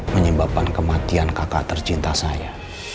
menyebabkan kematian kakak tercinta saya